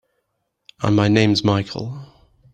And my name's Michael.